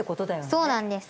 そうなんです。